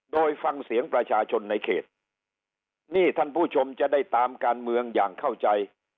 โดยฟังเสียงประชาชนในเขตนี่ท่านผู้ชมจะได้ตามการเมืองอย่างเข้าใจ